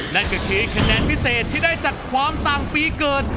นั่นก็คือคะแนนพิเศษที่ได้จากความต่างปีเกิด